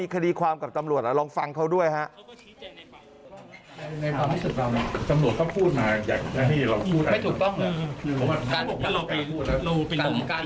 เขาต่อยทั้งหมดละครับ